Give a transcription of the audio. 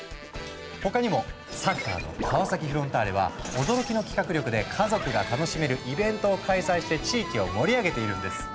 他にもサッカーの川崎フロンターレは驚きの企画力で家族が楽しめるイベントを開催して地域を盛り上げているんです。